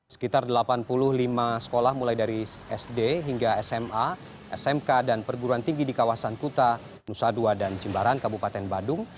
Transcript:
sekitar delapan puluh lima sekolah mulai dari sd hingga sma smk dan perguruan tinggi di kawasan kuta nusa dua dan jimbaran kabupaten badung